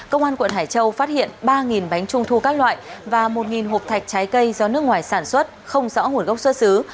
công an quận hải châu phát hiện ba bánh trung thu các loại và một hộp thạch trái cây do nước ngoài sản xuất không rõ nguồn gốc xuất xứ